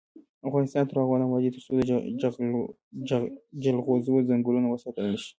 افغانستان تر هغو نه ابادیږي، ترڅو د جلغوزو ځنګلونه وساتل نشي.